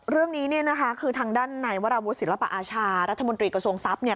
เรื่องนี้เนี่ยนะคะคือทางด้านในวราวุศิลปอาชารัฐมนตรีกระทรวงทรัพย์เนี่ย